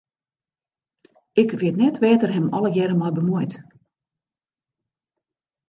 Ik wit net wêr't er him allegearre mei bemuoit.